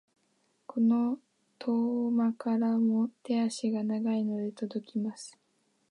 この遠間からも手足が長いので届きます。